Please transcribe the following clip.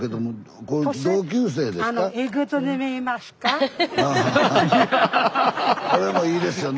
スタジオこれもいいですよね。